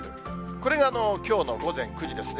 これがきょうの午前９時ですね。